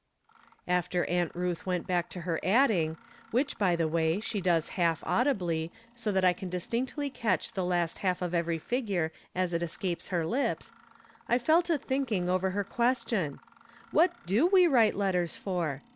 After Aunt Euth went back to her adding, wliich by the way she does half audibly, so that I can distinctly catch the last half of every figure as it escapes her lips, I fell to thinking OTer her question : What do we write letters for